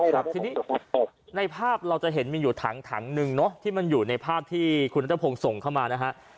ครับทีนี้ในภาพเราจะเห็นมีอยู่ถังหนึ่งเนอะที่มันอยู่ในภาพที่คุณนัทพงศ์ส่งเข้ามานะฮะ